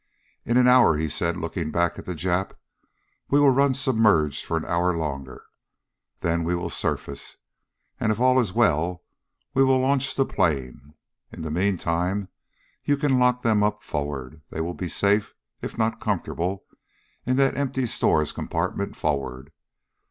"In an hour," he said, looking back at the Jap. "We will run submerged for an hour longer. Then we will surface, and if all is well we will launch the plane. In the meantime you can lock them up forward. They will be safe, if not comfortable, in that empty stores compartment forward.